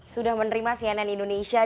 sudah menerima cnn indonesia